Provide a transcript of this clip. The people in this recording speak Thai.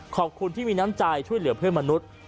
ขอบคุณที่มีน้ำใจช่วยเหลือเพื่อนมนุษย์